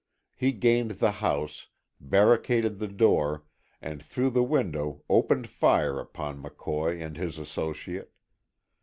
He gained the house, barricaded the door, and through the window opened fire upon McCoy and his associate.